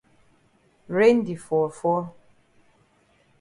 Rain di fall fall.